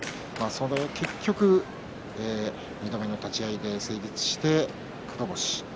結局、２度目の立ち合いが成立して黒星。